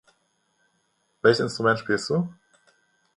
Welches Instrument spielst du?